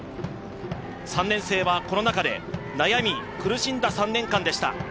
３年生はコロナ禍で悩み、苦しんだ３年間でした。